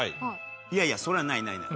いやいやそれはないないない。